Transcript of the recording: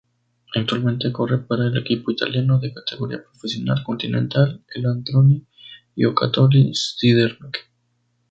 Actualmente corre para el equipo italiano de categoría Profesional Continental el Androni Giocattoli-Sidermec.